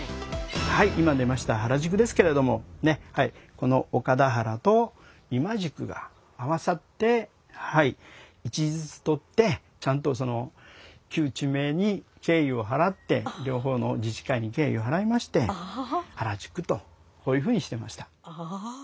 この「岡田原」と「今宿」が合わさって１字ずつ取ってちゃんと旧地名に敬意を払って両方の自治会に敬意を払いまして「原宿」とこういうふうにしました。